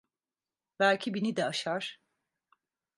Belki bini de aşar.